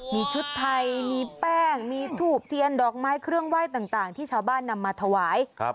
มีชุดไทยมีแป้งมีถูบเทียนดอกไม้เครื่องไหว้ต่างที่ชาวบ้านนำมาถวาย